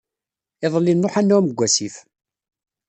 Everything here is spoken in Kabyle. Iḍelli nruḥ ad nɛumm deg wasif.